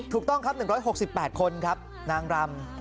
ถูกต้องครับ๑๖๘คนครับนางรำ